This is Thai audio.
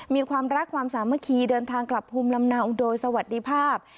มีความรักความสามัคคีเดินทางกลับภูมิลำเนาโดยสวัสดีภาพ